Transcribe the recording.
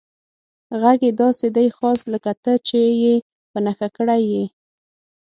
غږ یې داسې دی، خاص لکه ته چې یې په نښه کړی یې.